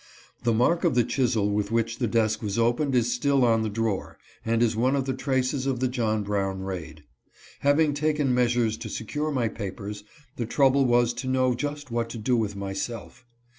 The mark of the chisel with which the desk was opened is still on the drawer, and is one of the traces of the John Brown raid. Having taken measures to secure my papers, the trouble was to know just what to do with myself.